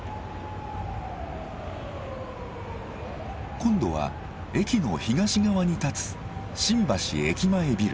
今度は駅の東側に立つ「新橋駅前ビル」。